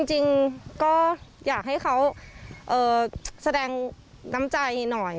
จริงก็อยากให้เขาแสดงน้ำใจหน่อย